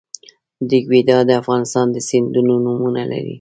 ریګویډا د افغانستان د سیندونو نومونه لري